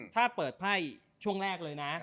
ถ้าเปิดไพ่ช่วงแรกเลยนะ